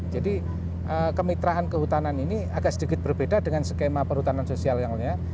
jadi kemitraan kehutanan ini agak sedikit berbeda dengan skema perhutanan sosial yang lainnya